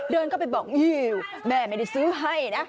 เดินเข้าไปบอกแม่ไม่ได้ซื้อให้นะ